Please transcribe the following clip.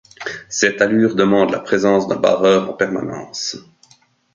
Cette allure demande la présence d'un barreur en permanence.